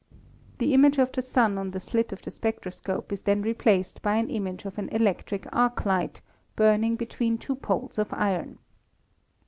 The image of the Sun on the slit of the spectroscope is then replaced by an image of an electric arc light, burning between two poles of iron.